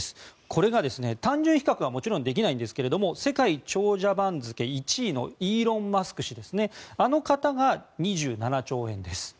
これが、単純比較はもちろんできないんですが世界長者番付１位のイーロン・マスク氏あの方が２７兆円です。